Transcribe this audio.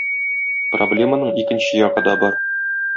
Проблеманың икенче ягы да бар.